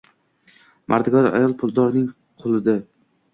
Mardikor ayol puldording quli